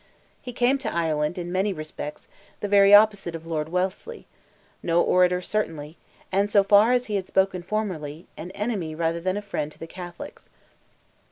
He came to Ireland, in many respects the very opposite of Lord Wellesley; no orator certainly, and so far as he had spoken formerly, an enemy rather than a friend to the Catholics.